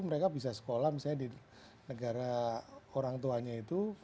mereka bisa sekolah misalnya di negara orang tuanya itu